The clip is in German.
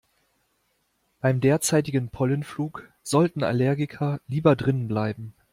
Beim derzeitigen Pollenflug sollten Allergiker lieber drinnen bleiben.